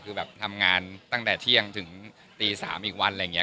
คือแบบทำงานตั้งแต่เที่ยงถึงตี๓อีกวันอะไรอย่างนี้